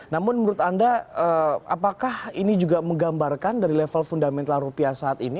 namun menurut anda apakah ini juga menggambarkan dari level fundamental rupiah saat ini